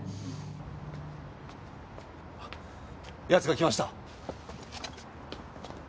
やつが来ました。